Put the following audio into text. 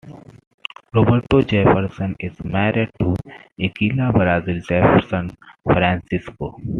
Roberto Jefferson is married to Ecila Brasil Jefferson Francisco.